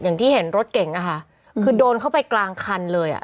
อย่างที่เห็นรถเก่งอะค่ะคือโดนเข้าไปกลางคันเลยอ่ะ